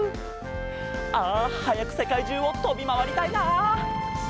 あはやくせかいじゅうをとびまわりたいな。